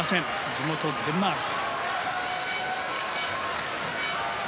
地元デンマーク。